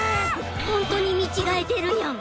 ホントに見違えてるニャン。